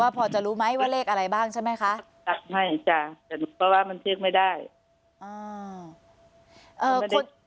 พอจะรู้ไหมว่าเลขอะไรบ้างใช่ไหมคะไม่จ้ะแต่เพราะว่ามันเช็คไม่ได้อ่า